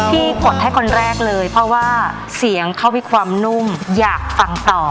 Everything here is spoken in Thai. พี่ขอดที่คนแรกเลยเพราะว่าเสียงเข้าไปความนุ่มอยากฟังต่อ